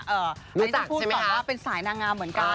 รู้จักใช่ไหมคะอันนี้จะพูดต่อว่าเป็นสายนางงามเหมือนกัน